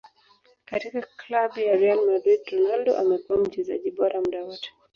Katika club ya Real madrid Ronaldo amekuwa mchezaji bora muda wote